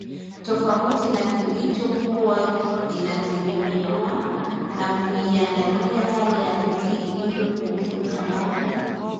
tofauti na ilichokuwa inategemewa na ukiangalia hali halisi ilivyo kuhusu usalama